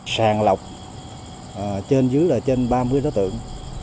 sàng lọc trên dưới là trên ba mươi đối tượng